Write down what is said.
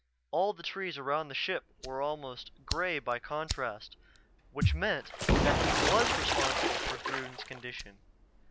All the trees around the ship were almost gray by contrast. Which meant that he was responsible for Throon's condition.